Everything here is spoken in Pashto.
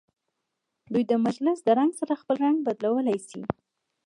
دوی د مجلس د رنګ سره خپل رنګ بدلولی شي.